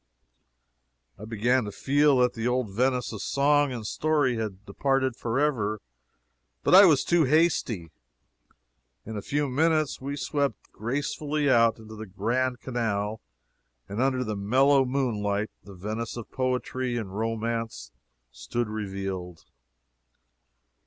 I began to feel that the old Venice of song and story had departed forever. But I was too hasty. In a few minutes we swept gracefully out into the Grand Canal, and under the mellow moonlight the Venice of poetry and romance stood revealed.